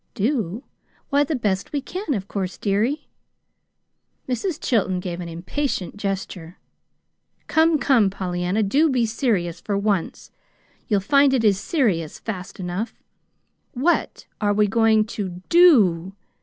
"Do? Why, the best we can, of course, dearie." Mrs. Chilton gave an impatient gesture. "Come, come, Pollyanna, do be serious for once. You'll find it is serious, fast enough. WHAT are we going to DO?